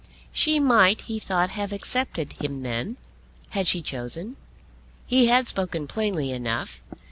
She might, he thought, have accepted him then, had she chosen. He had spoken plainly enough.